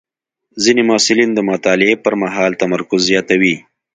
ځینې محصلین د مطالعې پر مهال تمرکز زیاتوي.